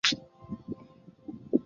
同时也有强大的精神防御力。